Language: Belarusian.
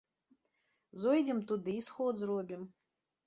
Зойдзем туды й сход зробім.